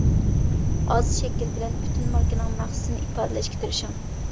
ئاز شەكىل بىلەن پۈتۈن ماركىنىڭ مەقسىتىنى ئىپادىلەشكە تىرىشىڭ.